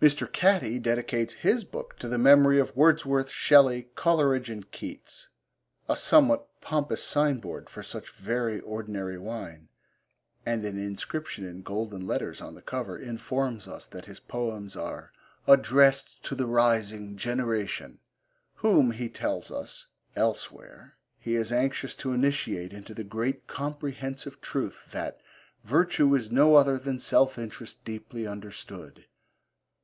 Mr. Catty dedicates his book to the memory of Wordsworth, Shelley, Coleridge and Keats a somewhat pompous signboard for such very ordinary wine and an inscription in golden letters on the cover informs us that his poems are 'addressed to the rising generation,' whom, he tells us elsewhere, he is anxious to initiate into the great comprehensive truth that 'Virtue is no other than self interest, deeply understood.'